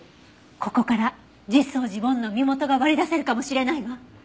ここから実相寺梵の身元が割り出せるかもしれないわ。